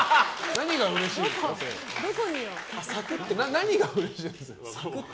何がうれしいんですか、それ。